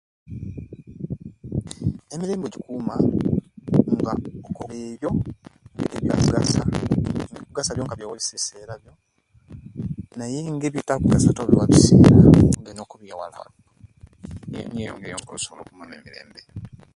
This man's voice is not clear. It seems to be his network.